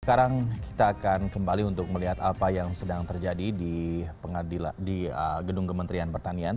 sekarang kita akan kembali untuk melihat apa yang sedang terjadi di gedung kementerian pertanian